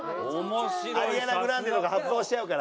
アリアナ・グランデとか発動しちゃうから。